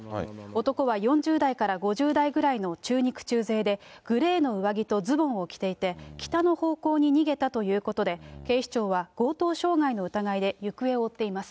男は４０代から５０代ぐらいの中肉中背で、グレーの上着とズボンを着ていて、北の方向に逃げたということで、警視庁は、強盗傷害の疑いで行方を追っています。